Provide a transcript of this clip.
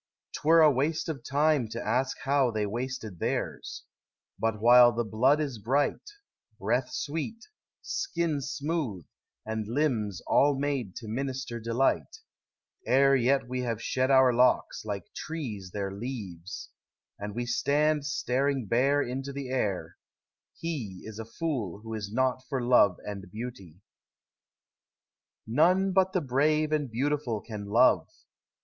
'T were a waste of time to ask how they wasted theirs ; But while the blood is bright, breath sweet, skin smooth, And limbs all made to minister delight; Ere yet we have shed our locks, like trees their leaves, And we stand staring bare into the air; lie is a fool who is not for love and beauty. ••••• None but the brave and beautiful can love.